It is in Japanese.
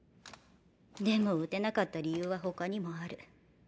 でも撃てなかった理由は他にもある。